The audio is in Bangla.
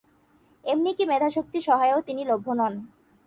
এমন কি মেধাশক্তির সহায়েও তিনি লভ্য নন।